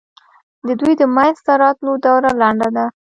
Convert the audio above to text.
د دوی د منځته راتلو دوره لنډه ده.